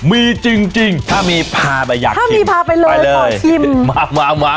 มีจริงจริงถ้ามีพาไปอยากชิมถ้ามีพาไปเลยไปเลยขอชิมมามามา